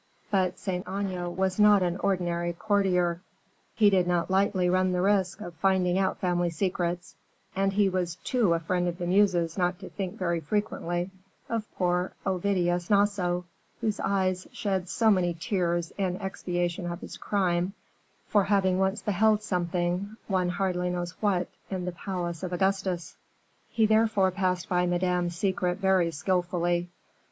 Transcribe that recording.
But Saint Aignan was not an ordinary courtier; he did not lightly run the risk of finding out family secrets; and he was too a friend of the Muses not to think very frequently of poor Ovidius Naso, whose eyes shed so many tears in expiation of his crime for having once beheld something, one hardly knows what, in the palace of Augustus. He therefore passed by Madame's secret very skillfully.